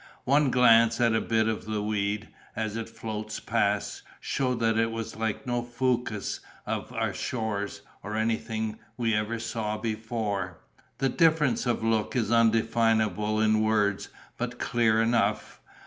One glance at a bit of the weed, as it floats past, showed that it was like no Fucus of our shores, or any thing we ever saw before. The difference of look is undefinable in words, but clear enough.